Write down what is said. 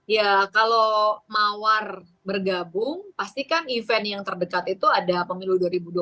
ya kalau mawar bergabung pastikan event yang terdekat itu ada pemilu dua ribu dua puluh